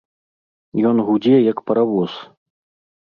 Ён гудзе, як паравоз.